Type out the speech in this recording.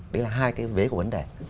đấy là hai cái vế của vấn đề